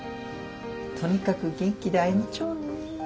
とにかく元気で会いまちょうね。